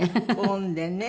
混んでね。